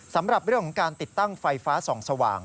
สำหรับเรื่องของการติดตั้งไฟฟ้าส่องสว่าง